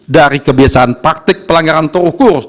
dari kebiasaan praktik pelanggaran terukur